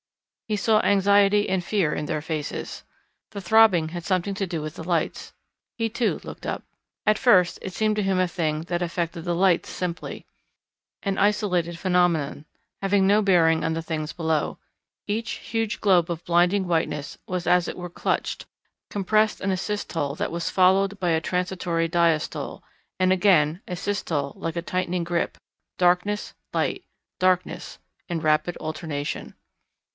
He saw anxiety and fear in their faces. The throbbing had something to do with the lights. He too looked up. At first it seemed to him a thing that affected the lights simply, an isolated phenomenon, having no bearing on the things below. Each huge globe of blinding whiteness was as it were clutched, compressed in a systole that was followed by a transitory diastole, and again a systole like a tightening grip, darkness, light, darkness, in rapid alternation.